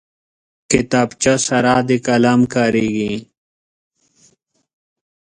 کتابچه سره د قلم کارېږي